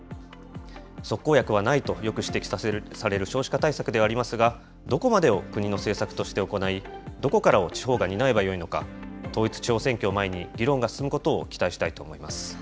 即効薬はないとよく指摘される少子化対策ではありますが、どこまでを国の政策として行い、どこからを地方が担えばよいのか、統一地方選挙を前に議論が進むことを期待したいと思います。